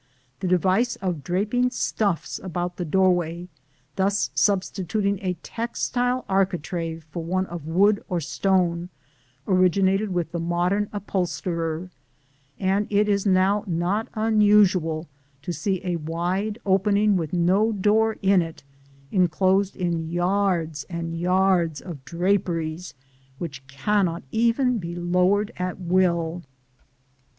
The device of draping stuffs about the doorway, thus substituting a textile architrave for one of wood or stone, originated with the modern upholsterer; and it is now not unusual to see a wide opening with no door in it, enclosed in yards and yards of draperies which cannot even be lowered at will.